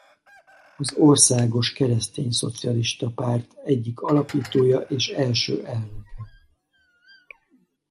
Az Országos Keresztényszocialista Párt egyik alapítója és első elnöke.